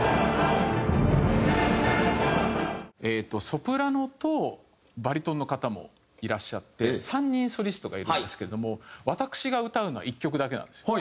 ソプラノとバリトンの方もいらっしゃって３人ソリストがいるんですけれども私が歌うのは１曲だけなんですよ。